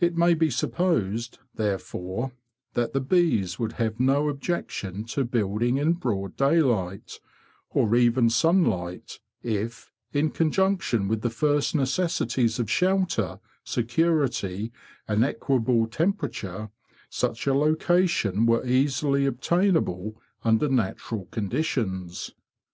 It may be supposed, therefore, that the bees would have no objection to building in broad daylight, or even sunlight, if, in conjunction with the first necessities of shelter, security, and equable temperature, such a location were easily obtainable under natural conditions.